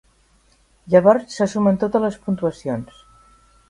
Llavors se sumen totes les puntuacions.